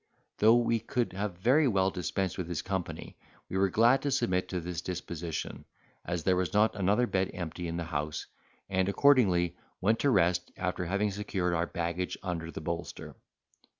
Though we could have very well dispensed with his company, we were glad to submit to this disposition, as there was not another bed empty in the house; and accordingly went to rest, after having secured our baggage under the bolster.